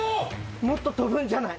もっと飛ぶんじゃない？